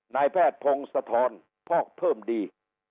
นายแพทย์พงศธรพอกเพิ่มดี